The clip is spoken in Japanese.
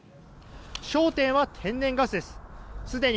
焦点は天然ガスです。